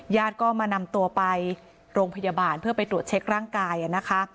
ญาติก็มานำตัวไปโรงพยาบาลเพื่อไปตรวจเช็คร่างกายนะคะ